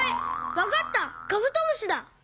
わかったカブトムシだ！